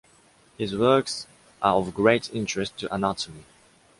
His works are of great interest to anatomy.